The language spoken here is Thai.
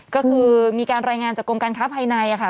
ก็คือมีการรายงานจากกรมการค้าภายในค่ะ